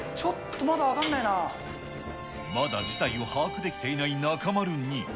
まだ事態を把握できていない中丸に。